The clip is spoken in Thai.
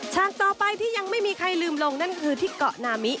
ต่อไปที่ยังไม่มีใครลืมลงนั่นคือที่เกาะนามิ